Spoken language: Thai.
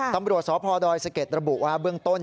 ตำรวจสพดอยสะเก็ดระบุว่าเบื้องต้น